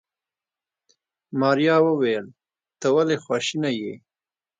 ماريا وويل ته ولې خواشيني يې.